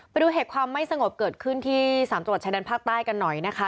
ไปดูเหตุความไม่สงบเกิดขึ้นที่๓จังหวัดชายแดนภาคใต้กันหน่อยนะคะ